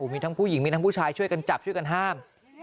มีทั้งผู้หญิงมีทั้งผู้ชายช่วยกันจับช่วยกันห้าม